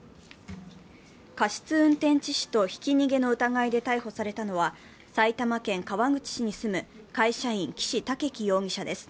過失運転致死とひき逃げの疑いで逮捕されたのは埼玉県川口市に住む会社員、岸赳生容疑者です。